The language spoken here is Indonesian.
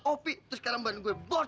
opi terus sekarang ban gua bocor